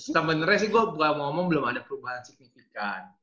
sebenernya sih gue mau ngomong belum ada perubahan signifikan